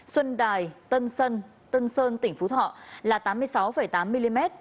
xuân đài tân sơn tỉnh phú thọ là tám mươi sáu tám mm